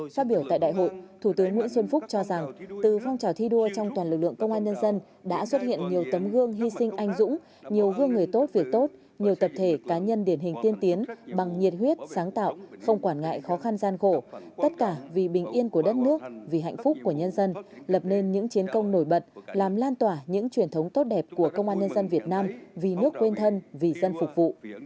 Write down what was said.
phát biểu tại đại hội thủ tướng nguyễn xuân phúc cho rằng từ phong trào thi đua trong toàn lực lượng công an nhân dân đã xuất hiện nhiều tấm gương hy sinh anh dũng nhiều gương người tốt việc tốt nhiều tập thể cá nhân điển hình tiên tiến bằng nhiệt huyết sáng tạo không quản ngại khó khăn gian khổ tất cả vì bình yên của đất nước vì hạnh phúc của nhân dân lập nên những chiến công nổi bật làm lan tỏa những truyền thống tốt đẹp của công an nhân dân việt nam vì nước quên thân vì dân phục vụ